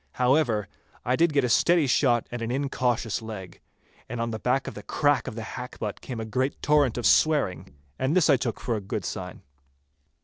However, I did get a steady shot at an incautious leg, and on the back of the crack of the hackbutt came a great torrent of swearing, and this I took for a good sign.